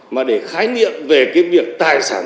mà để khái niệm về cái việc tài sản